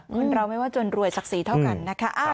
คนเราไม่ว่าจนรวยศักดิ์ศรีเท่ากันนะคะ